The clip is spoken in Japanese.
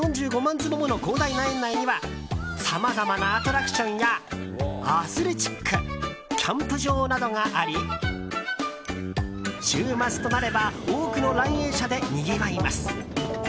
坪もの広大な園内にはさまざまなアトラクションやアスレチックキャンプ場などがあり週末となれば多くの来園者でにぎわいます。